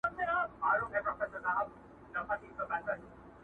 بیا به لوړه بیه واخلي په جهان کي،